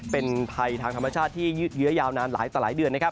เป็นภัยทางธรรมชาติที่ยืดเยื้อยาวนานหลายต่อหลายเดือนนะครับ